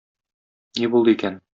Ни булды икән?